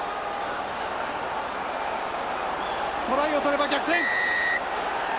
トライを取れば逆転。